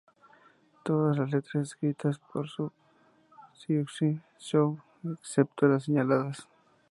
Todas las letras escritas por Siouxsie Sioux, excepto las señaladas.